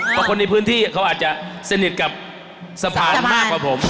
เพราะคนในพื้นที่เขาอาจจะสนิทกับสะพานมากกว่าผม